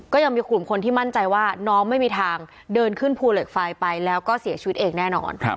ก็ยังมีกลุ่มคนที่มั่นใจว่าน้องไม่มีทางเดินขึ้นภูเหล็กไฟไปแล้วก็เสียชีวิตเองแน่นอน